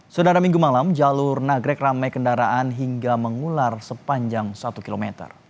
sudah ada minggu malam jalur nagrek ramai kendaraan hingga mengular sepanjang satu km